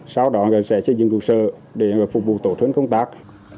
sau đó sẽ xây dựng cuộc sơ để phục vụ tổ chức công tác